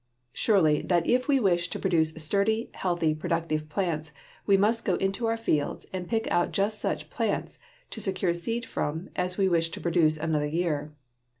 Surely that if we wish to produce sturdy, healthy, productive plants we must go into our fields and pick out just such plants to secure seed from as we wish to produce another year.